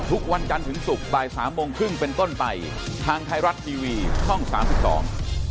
ทุกวันจันทร์ถึงศุกร์บ่ายสามโมงครึ่งเป็นต้นไปทางไทยรัฐทีวีช่องสามสิบสอง